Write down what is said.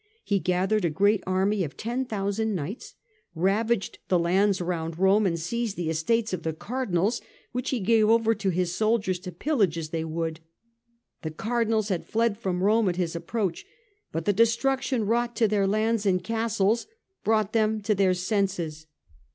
He gathered a great army of ten thousand knights, ravaged the lands around Rome and seized the estates of the Cardinals, which he gave over to his soldiers to pillage as they would. The Cardinals had fled from Rome at his approach, but the destruction wrought to their lands and castles brought them to their senses.